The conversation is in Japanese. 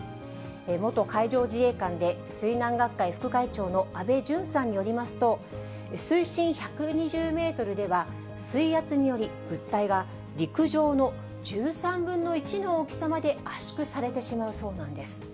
元海上自衛官で水難学会副会長の安倍淳さんによりますと、水深１２０メートルでは、水圧により物体が陸上の１３分の１の大きさまで圧縮されてしまうそうなんです。